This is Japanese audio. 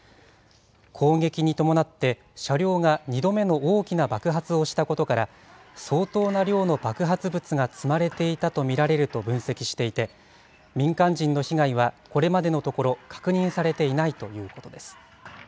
攻撃に伴って、車両が２度目の大きな爆発をしたことから、相当な量の爆発物が積まれていたと見られると分析していて、民間人の被害はこれまでのところ、確認されていないということです。